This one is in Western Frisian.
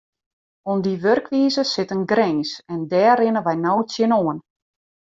Oan dy wurkwize sit in grins en dêr rinne wy no tsjinoan.